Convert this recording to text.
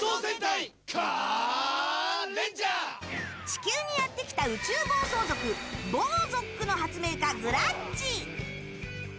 地球にやってきた宇宙暴走族ボーゾックの発明家グラッチ。